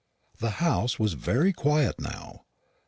The house was very quiet just now.